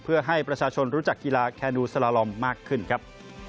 เพื่อให้ประชาชนรู้จักกีฬาแคนูซาลาลอมมากขึ้นครับ